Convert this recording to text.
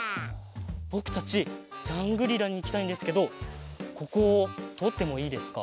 ぼくたちジャングリラにいきたいんですけどここをとおってもいいですか？